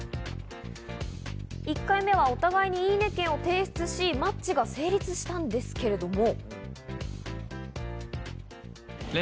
１回目はお互いに「いいね！券」を提出し、マッチが成立したんですけれども。